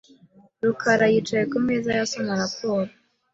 rukara yicaye ku meza ye asoma raporo .